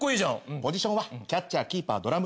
ポジションはキャッチャーキーパードラム。